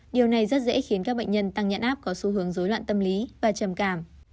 điều này rất dễ khiến các bệnh nhân tăng nhẹ áp có xu hướng dối loạn tâm lý và trầm cảm